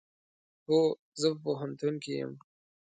هو، زه په پوهنتون کې یم